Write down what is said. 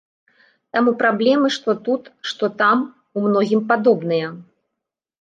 Таму праблемы што тут, што там у многім падобныя.